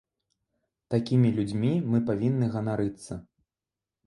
Такімі людзьмі мы павінны ганарыцца.